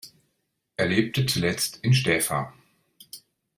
Er lebte zuletzt in Stäfa.